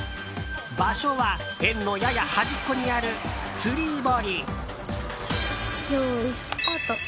場所は園のやや端っこにある釣り堀。